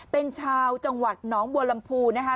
เป็นชาวจังหวัดหนองบัวลำพูนะคะ